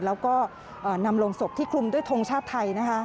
แล้วก็นำลงศพที่คลุมด้วยทงชาติไทย